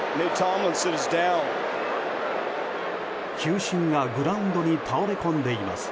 球審がグラウンドに倒れ込んでいます。